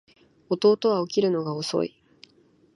弟は起きるのが遅い